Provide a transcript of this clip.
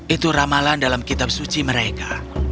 itu ramalan dalam kitab suci mereka